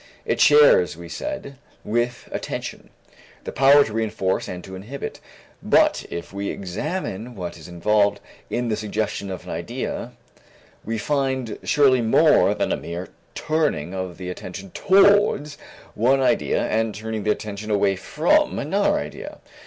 It shares, we said, with attention, the power to reënforce and to inhibit. But if we examine what is involved in the suggestion of an idea, we find surely more than a mere turning of the attention towards one idea and turning the attention away from another idea.